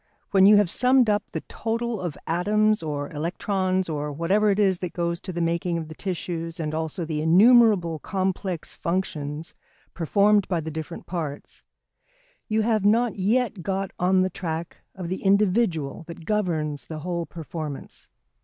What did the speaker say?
When you have summed up the total of atoms or electrons or whatever it is that goes to the making of the tissues and also the innumerable complex functions performed by the different parts, you have not yet got on the track of the individual that governs the whole performance.